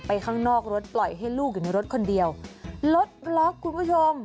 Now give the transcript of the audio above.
ข้างนอกรถปล่อยให้ลูกอยู่ในรถคนเดียวรถบล็อกคุณผู้ชม